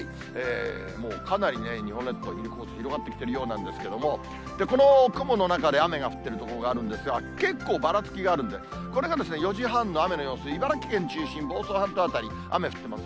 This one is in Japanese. もうかなりね、日本列島、この黄砂、広がってきているようなんですけれども、この雲の中で雨が降ってる所があるんですが、結構、ばらつきがあるんで、これが４時半の雨の様子、茨城県中心、房総半島辺り、雨降ってます。